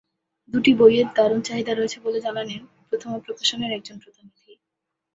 দুটি বইয়ের দারুণ চাহিদা রয়েছে বলে জানালেন প্রথমা প্রকাশনের একজন প্রতিনিধি।